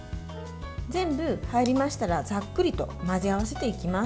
全部入りましたらざっくりと混ぜ合わせていきます。